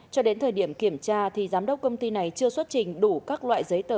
cho đến thời điểm kiểm tra thì giám đốc công ty này chưa xuất trình đủ các loại giấy tờ